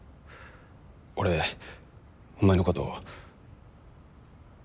俺お前のこと。